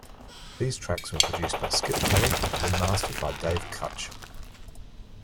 These tracks were produced by Skip Kelly and remastered by Dave Kutch.